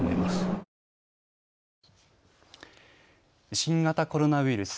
新型コロナウイルス。